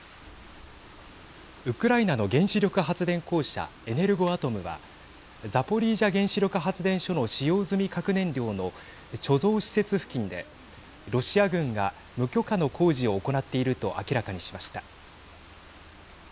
ウクライナの原子力発電公社エネルゴアトムはザポリージャ原子力発電所の使用済み核燃料の貯蔵施設付近でロシア軍が無許可の工事を行っていると明らかにしました。